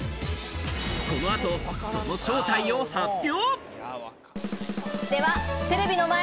この後、その正体を発表。